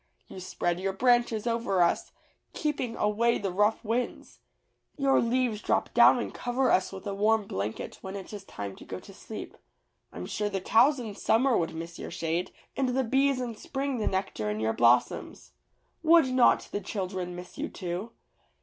You spread your branches over us, keeping away the rough winds. Your leaves drop down and cover us with a warm blanket when it is time to go to sleep. I'm sure the cows in summer would miss your shade, and the bees in spring the nectar in your blossoms. Would not the children miss you, too?